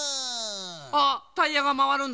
あっタイヤがまわるんだ。